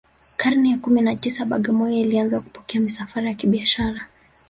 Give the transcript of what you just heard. karne ya kumi na tisa bagamoyo ilianza kupokea misafara ya kibiashara